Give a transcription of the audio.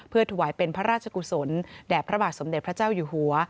ถวายเป็นพระราชกุศลแด่พระบาทสมเด็จพระเจ้าอยู่หัว